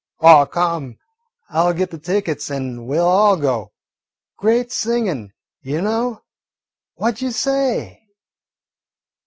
"Aw, come, I 'll git the tickets an' we 'll all go. Great singin', you know. What d' you say?"